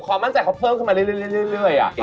ความมั่นใจเขาเพิ่มขึ้นมาเรื่อย